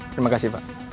terima kasih pak